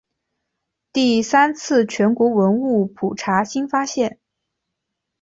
第三次全国文物普查新发现。